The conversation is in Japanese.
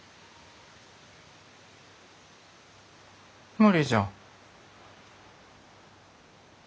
無理じゃ。